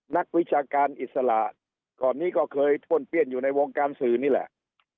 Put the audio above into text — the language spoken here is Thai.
นักวิชาการอิสระก่อนนี้ก็เคยป้วนเปี้ยนอยู่ในวงการสื่อนี่แหละ